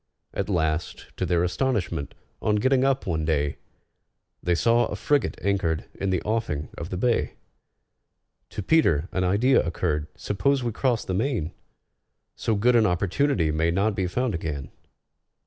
At last, to their astonishment, on getting up one day, They saw a frigate anchored in the offing of the bay. To PETER an idea occurred. "Suppose we cross the main? So good an opportunity may not be found again."